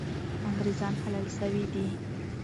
انګریزان حلال سوي دي.